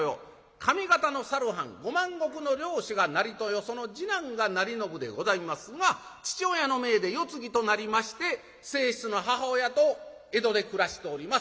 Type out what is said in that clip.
上方のさる藩５万石の領主が成豊その次男が成信でございますが父親の命で世継ぎとなりまして正室の母親と江戸で暮らしております。